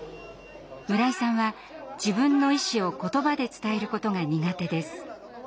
村井さんは自分の意思を言葉で伝えることが苦手です。